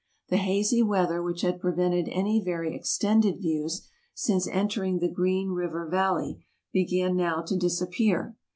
The hazy weather which had prevented any very extended views since entering the Green River Valley, began now to disappear.